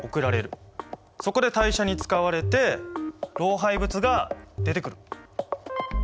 そこで代謝に使われて老廃物が出てくる。